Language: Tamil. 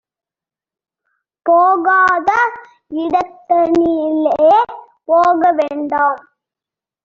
போகாத இடந்தனிலே போக வேண்டாம்